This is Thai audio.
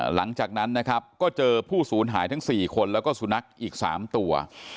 หลังจากนั้นนะครับก็เจอผู้สูญหายทั้ง๔คนแล้วก็สุนัขอีก๓ตัว